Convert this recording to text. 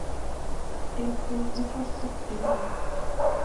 Älskling, vi tar sportbilen.